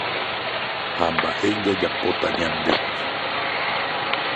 Ha mba'e jajapóta ñande.